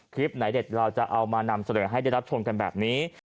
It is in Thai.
คลิปไหนเด็ดเราจะเอามานำเสนอให้ได้รับชมกันแบบนี้